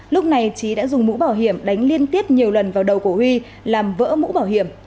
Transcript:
lúc này trí đã dùng mũ bảo hiểm đánh liên tiếp nhiều lần vào đầu của huy làm vỡ mũ bảo hiểm